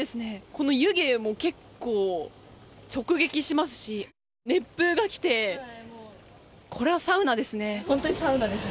この湯気も、結構直撃しますし熱風が来て、これはサウナですね。